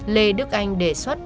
lê đức anh đề xuất